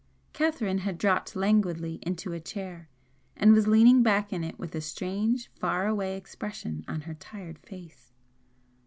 Catherine had dropped languidly into a chair and was leaning back in it with a strange, far away expression on her tired face.